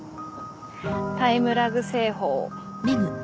タイムラグ製法。